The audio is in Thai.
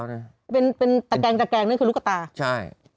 เป็นตะแกงนั่นคือลูกตา